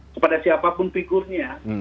kepada siapapun figurnya